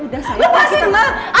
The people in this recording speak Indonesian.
udah sayang kita mah